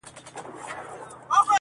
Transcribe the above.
او ټول خوږ ژوند مي -